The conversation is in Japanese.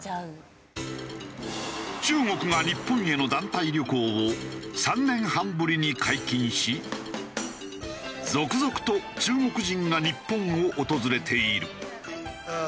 中国が日本への団体旅行を３年半ぶりに解禁し続々と中国人が日本を訪れている。